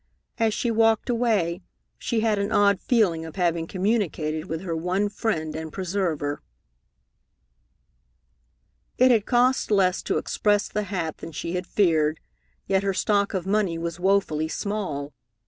As she walked away, she had an odd feeling of having communicated with her one friend and preserver. It had cost less to express the hat than she had feared, yet her stock of money was woefully small.